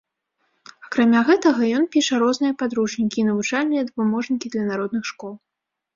Акрамя гэтага, ён піша розныя падручнікі і навучальныя дапаможнікі для народных школ.